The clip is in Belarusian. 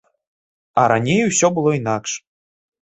А раней ўсё было інакш.